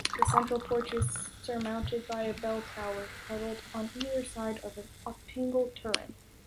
The central porch is surmounted by a bell tower puddled on either side of an octagonal turret.